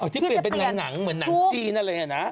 ที่เปลี่ยนเป็นหนังเหมือนหนังจีนอะไรอย่างนี้นะ